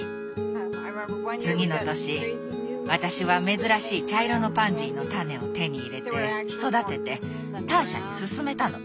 次の年私は珍しい茶色のパンジーの種を手に入れて育ててターシャにすすめたの。